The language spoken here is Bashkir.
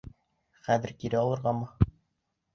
Хәҙер кире алырғамы?